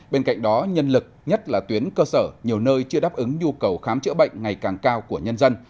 bên cạnh đó nhân lực nhất là tuyến cơ sở nhiều nơi chưa đáp ứng nhu cầu khám chữa bệnh ngày càng cao của nhân dân